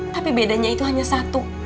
tapi bedanya itu hanya satu